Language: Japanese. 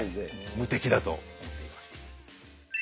無敵だと思っています。